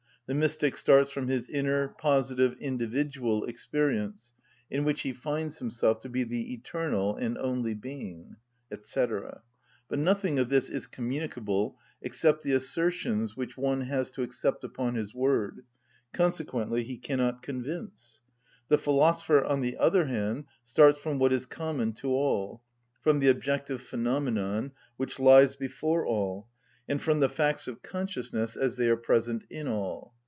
The mystic starts from his inner, positive, individual experience, in which he finds himself to be the eternal and only being, &c. But nothing of this is communicable except the assertions which one has to accept upon his word; consequently he cannot convince. The philosopher, on the other hand, starts from what is common to all, from the objective phenomenon which lies before all, and from the facts of consciousness as they are present in all.